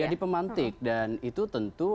jadi pemantik dan itu tentu